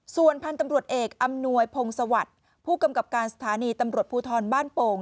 ส่วนพันธุ์ตำรวจเอกอำนวยพงศวรรค์ผู้กำกับการสถานีตำรวจภูทรบ้านโป่ง